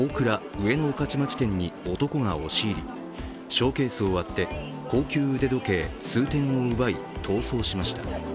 上野御徒町店に男が押し入り、ショーケースを割って、高級腕時計数点を奪い、逃走しました。